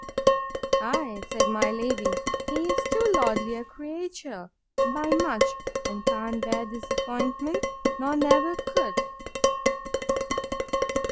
Ay, said my lady, he is too lordly a creature, by much; and can't bear disappointment, nor ever could.